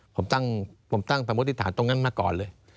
ผมตั้งประมติฐานตรงนั้นมาก่อนเลย